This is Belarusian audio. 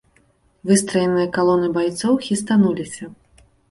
Выстраеныя калоны байцоў хістануліся.